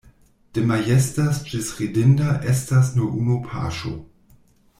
De majesta ĝis ridinda estas nur unu paŝo.